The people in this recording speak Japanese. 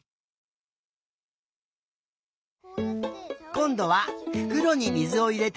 こんどはふくろにみずをいれてみたよ。